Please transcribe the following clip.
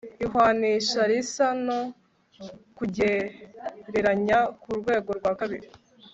ihwanisha risa no kugereranya ku rwego rwa kabiri